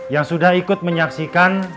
yang sudah ikut menyaksikan